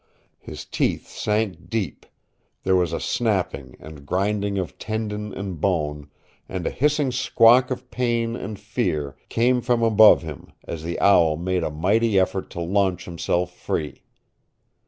His teeth sank deep, there was a snapping and grinding of tendon and bone, and a hissing squawk of pain and fear came from above him as the owl made a mighty effort to launch himself free.